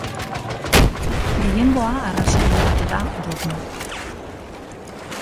Gehiengoa arrazoi bihurtu da, dogma.